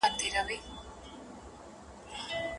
املا د زده کړي د بهیر یو اساسي رکن دی.